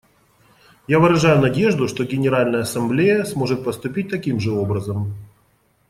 Я выражаю надежду, что Генеральная Ассамблея сможет поступить таким же образом.